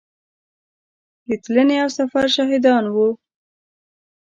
د تلنې او سفر شاهدان وو.